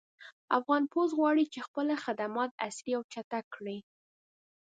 افغان پُست غواړي چې خپل خدمات عصري او چټک کړي